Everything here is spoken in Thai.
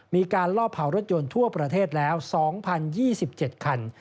มีการลอบเผารถยนต์ทั่วประเทศแล้ว๒๐๒๗คัน